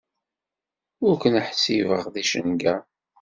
Ur ken-ḥsibeɣ d icenga.